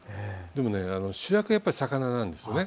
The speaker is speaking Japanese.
でもね主役はやっぱり魚なんですね。